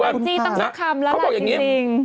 ใช่ต้องเสิร์ฟคำละนะทีนี้เขาบอกอย่างนี้